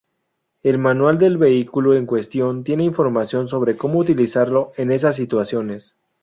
El manual del vehículo en cuestión tiene información sobre como utilizarlo en esas situaciones.